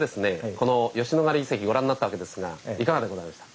この吉野ヶ里遺跡ご覧になったわけですがいかがでございました？